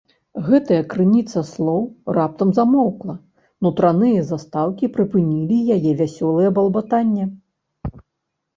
Гэтая крыніца слоў раптам замоўкла, нутраныя застаўкі прыпынілі яе вясёлае балбатанне.